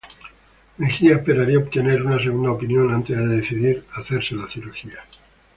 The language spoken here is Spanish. Mejía esperaría obtener una segunda opinión antes de decidir hacerse la cirugía.